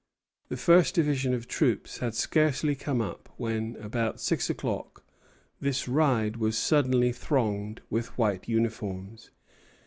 The first division of troops had scarcely come up when, about six o'clock, this ridge was suddenly thronged with white uniforms.